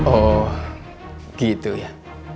oh gitu ya